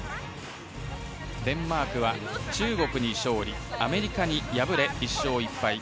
デンマークは中国に勝利アメリカに敗れ、１勝１敗。